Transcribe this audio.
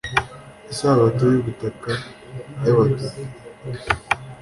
isabato y ubutaka yabadive